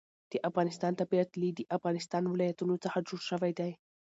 د افغانستان طبیعت له د افغانستان ولايتونه څخه جوړ شوی دی.